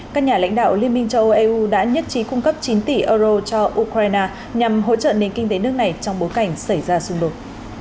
các nhà lãnh đạo liên minh châu âu eu đã nhất trí cung cấp chín tỷ euro cho ukraine nhằm hỗ trợ nền kinh tế nước này trong bối cảnh xảy ra xung đột